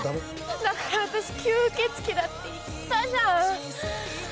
だから私吸血鬼だって言ったじゃん！